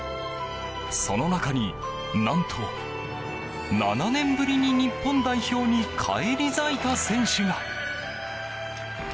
その中に、何と７年ぶりに日本代表に返り咲いた選手が。